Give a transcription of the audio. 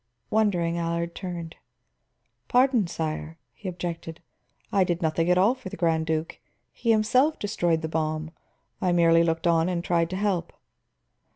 Wondering, Allard turned. "Pardon, sire," he objected, "I did nothing at all for the Grand Duke. He himself destroyed the bomb; I merely looked on and tried to help."